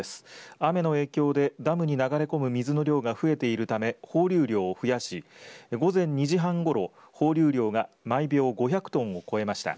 雨の影響でダムに流れ込む水の量が増えているため放流量を増やし、午前２時半ごろ放流量が毎秒５００トンを超えました。